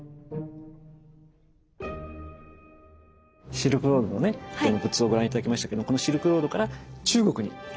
シルクロードのね仏像をご覧頂きましたけどこのシルクロードから中国に仏像が入ってくるんですね。